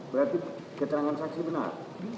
berarti keterangan saksi benar